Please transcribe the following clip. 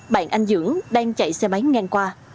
bạn anh dưỡng đang chạy xe máy ngang qua